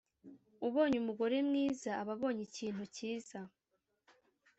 ubonye umugore mwiza aba abonye ikintu cyiza,